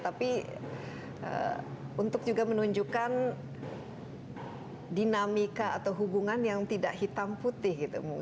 tapi untuk juga menunjukkan dinamika atau hubungan yang tidak hitam putih gitu